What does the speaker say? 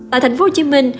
tại thành phố hồ chí minh